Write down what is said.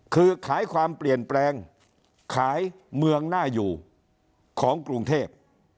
คือขายความเปลี่ยนแปลงขายเมืองหน้าอยู่ของกรุงเทพ